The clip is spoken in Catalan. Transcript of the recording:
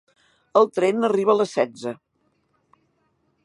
El tren arriba a les setze.